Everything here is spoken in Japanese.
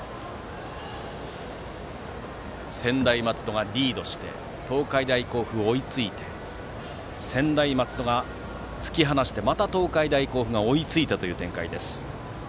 専大松戸がリードして東海大甲府が追いついて専大松戸が突き放してまた東海大甲府が追いついてという展開です。